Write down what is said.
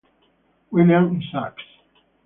William Isaacs